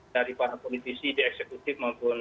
dari para politisi di eksekutif maupun